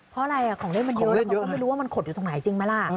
เพราะอะไรของเล่นมันเยอะแล้วเขาก็ไม่รู้ว่ามันขดอยู่ตรงไหนจริงไหมล่ะ